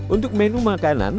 untuk menu makanan